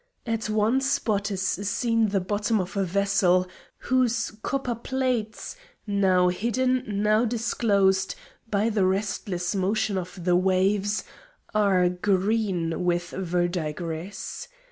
At one spot is seen the bottom of a vessel, whose copper plates, now hidden, now disclosed, by the restless motion of the waves, are green with verdigris.